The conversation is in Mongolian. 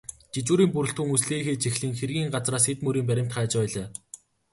Жижүүрийн бүрэлдэхүүн үзлэгээ хийж эхлэн хэргийн газраас эд мөрийн баримт хайж байлаа.